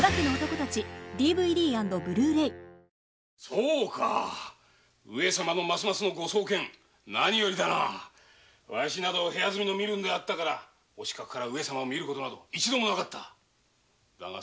そうか上様はますます御壮健で何よりだなワシは部屋住みの身分であったからお近くから上様を見た事など一度もなかったぞ。